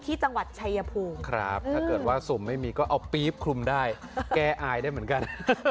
ที่จังหวัดชายภูมิครับถ้าเกิดว่าสุ่มไม่มีก็เอาปี๊บคลุมได้แก้อายได้เหมือนกัน